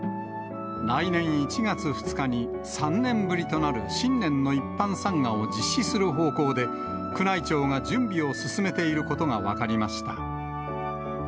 来年１月２日に３年ぶりとなる新年の一般参賀を実施する方向で、宮内庁が準備を進めていることが分かりました。